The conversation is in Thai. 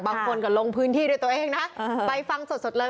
บางคนก็ลงพื้นที่ด้วยตัวเองนะไปฟังสดเลย